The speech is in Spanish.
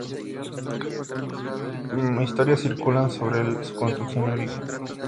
Varias historias circulan sobre su construcción y origen.